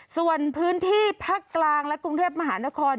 ส่วนพื้นที่ภาคกลางและกรุงเทพมหานคร